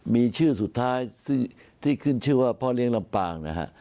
มีชื่อสุดท้ายที่ขึ้นชื่อว่าพ่อเลี้ยลำปางนะฮะ